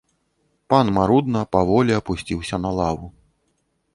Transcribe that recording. Пан марудна, паволі апусціўся на лаву.